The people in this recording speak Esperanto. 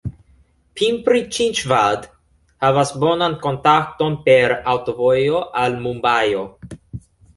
Pimpri-Ĉinĉvad havas bonan kontakton per aŭtovojo al Mumbajo.